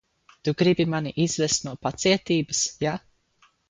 Tu gribi mani izvest no pacietības, ja?